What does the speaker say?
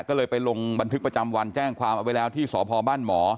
ก็เลยไปลงบันทึกประจำวันแจ้งความเอาไว้แล้วที่สพบ้านหมอ